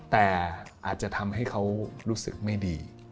แต่อาจจะทำให้เขารู้สึกไม่ดี